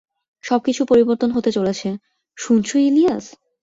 সবকিছু পরিবর্তন হতে চলেছে - শুনছো ইলিয়াস?